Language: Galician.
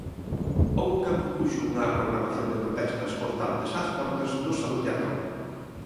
Houbo quen propuxo unha programación de protestas constantes ás portas do Salón Teatro.